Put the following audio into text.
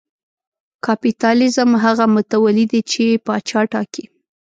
کاپیتالېزم هغه متولي دی چې پاچا ټاکي.